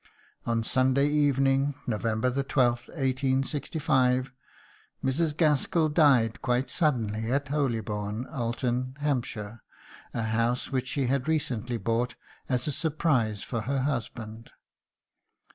On Sunday evening, November 12, 1865, Mrs. Gaskell died quite suddenly at Holybourne, Alton, Hampshire, a house which she had recently bought as a surprise for her husband.